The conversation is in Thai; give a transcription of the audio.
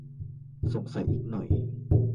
สงสัยอีกหน่อย